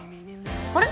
あれ？